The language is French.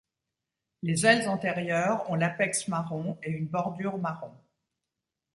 Les ailes antérieures ont l'apex marron et une bordure marron.